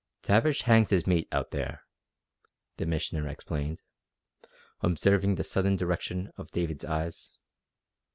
"Tavish hangs his meat out there," the Missioner explained, observing the sudden direction of David's eyes.